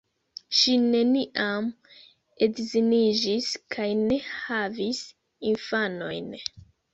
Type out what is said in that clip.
Ŝi neniam edziniĝis kaj ne havis infanojn.